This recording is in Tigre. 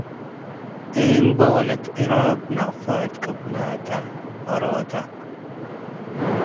ኤምቦ ወለት ኤራብ ነቅፈ እት ቅብላተ እሮተ